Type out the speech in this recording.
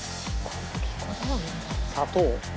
砂糖？